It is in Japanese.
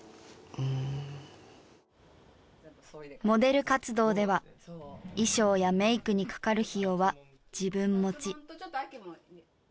モデル活動では衣装やメイクにかかる費用は自分持ち。